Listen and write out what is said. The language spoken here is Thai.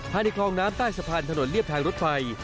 ภายในคลองน้ำใต้สะพานถนนเรียบทางรถไฟ